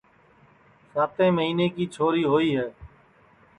ساتیں مہینے کی چھوری ہوئی ہے